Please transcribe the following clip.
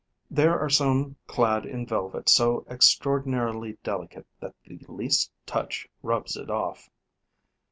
There are some clad in velvet so extraordinarily delicate that the least touch rubs it off.